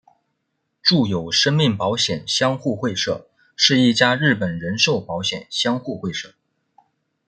住友生命保险相互会社是一家日本人寿保险相互会社。